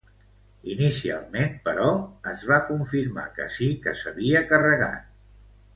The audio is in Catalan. Inicialment, però, es va confirmar que sí que s'havia carregat.